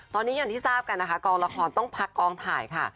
ตอนนี้อย่างที่ทราบกันนะคะกองละครต้องพักกองถ่ายค่ะ